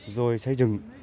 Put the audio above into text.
rồi xây dựng